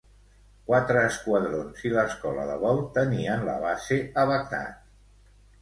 Quatre esquadrons i l'escola de vol tenien la base a Bagdad.